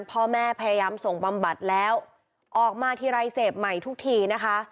พ่อแม่พยายามส่งบำบัดแล้วออกมาทีไรเสพใหม่ทุกทีนะคะ